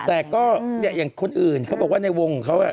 แต่ก็อย่างคนอื่นเขาบอกว่าในวงของเขา